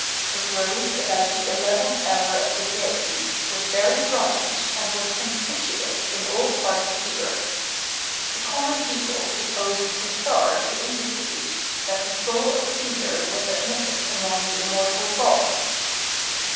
It rose about the eleventh hour of the day, was very bright, and was conspicuous in all parts of the earth. The common people supposed the star to indicate, that the soul of Cæsar was admitted among the immortal Gods."